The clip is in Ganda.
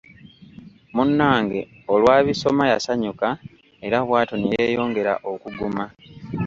Munnange olwabisoma yasanyuka era bw'atyo ne yeeyongera okuguma.